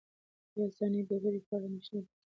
د دې آسماني ډبرې په اړه اندېښنه بې ځایه ده.